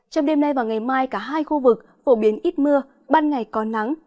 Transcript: trong đêm nay và ngày mai cả hai khu vực phổ biến ít mưa ban ngày có nắng